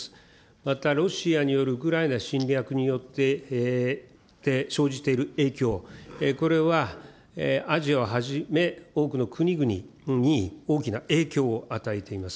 またロシアによるウクライナ侵略によって生じている影響、これはアジアをはじめ多くの国々に大きな影響を与えています。